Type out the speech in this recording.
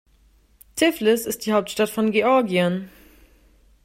Tiflis ist die Hauptstadt von Georgien.